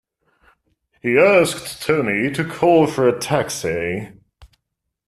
He asked Tony to call for a taxi.